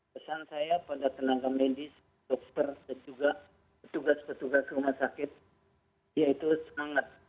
pesan saya pada tenaga medis dokter dan juga petugas petugas rumah sakit yaitu semangat